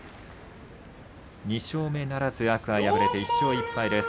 ２勝目ならず天空海、敗れて１勝１敗です。